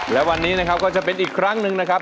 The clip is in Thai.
และวันนี้นะครับก็จะเป็นอีกครั้งหนึ่งนะครับ